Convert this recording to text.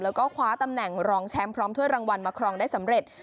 แล้วก็คว้าตำแหน่งรองแชมป์พร้อมถ้วยรางวัลมาครองได้สำเร็จ